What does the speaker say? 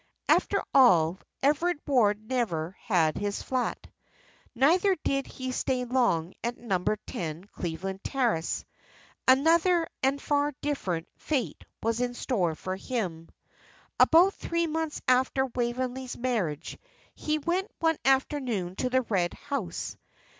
After all, Everard Ward never had his flat, neither did he stay long at Number Ten, Cleveland Terrace; another, and far different, fate was in store for him. About three months after Waveney's marriage he went one afternoon to the Red House.